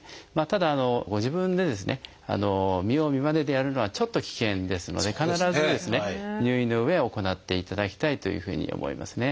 ただご自分で見よう見まねでやるのはちょっと危険ですので必ず入院のうえ行っていただきたいというふうに思いますね。